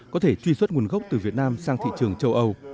có thể truy xuất nguồn gốc từ việt nam sang thị trường châu âu